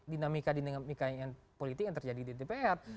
dinamika dinamika politik yang terjadi di dpr